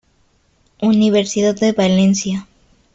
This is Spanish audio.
Universidad de Valencia.